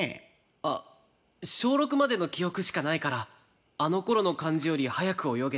あっ小６までの記憶しかないからあの頃の感じより速く泳げてビックリしたんです。